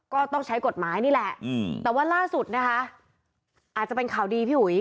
ก็ต้องใช้กฎหมายนี่แหละแต่ว่าล่าสุดนะคะอาจจะเป็นข่าวดีพี่อุ๋ย